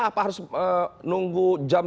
apa harus menunggu jam